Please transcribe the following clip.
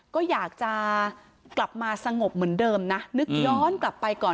ก็อยากจะกลับมาสงบเหมือนเดิมนะนึกย้อนกลับไปก่อน